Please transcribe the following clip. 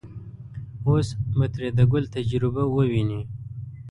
اوس به ترې د ګل تجربه وويني.